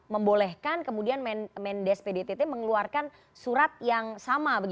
membolehkan kemudian mendes pdtt mengeluarkan surat yang sama